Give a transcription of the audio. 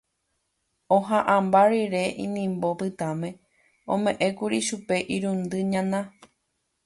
Ohã'ãmba rire inimbo pytãme, ome'ẽkuri chupe irundy ñana.